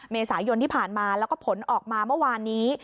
เมษายนที่ผ่านมาแล้วก็ผลออกมาเมื่อวานนี้